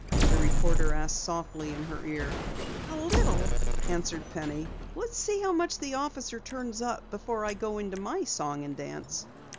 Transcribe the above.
the reporter asked softly in her ear. "A little," answered Penny. "Let's see how much the officer turns up before I go into my song and dance."